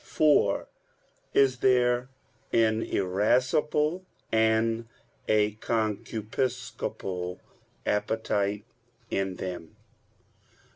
(4) Is there an irascible and a concupiscible appetite in them?